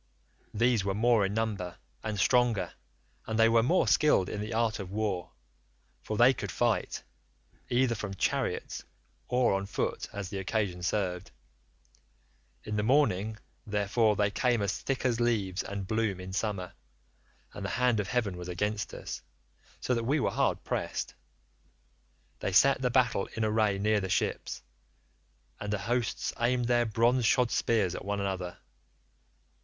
These were more in number, and stronger, and they were more skilled in the art of war, for they could fight, either from chariots or on foot as the occasion served; in the morning, therefore, they came as thick as leaves and bloom in summer, and the hand of heaven was against us, so that we were hard pressed. They set the battle in array near the ships, and the hosts aimed their bronze shod spears at one another.